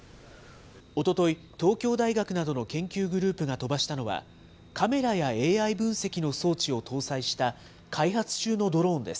おととい、東京大学などの研究グループが飛ばしたのは、カメラやＡＩ分析の装置を搭載した開発中のドローンです。